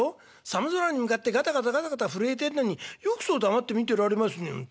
寒空に向かってガタガタガタガタ震えてんのによくそう黙って見てられますね。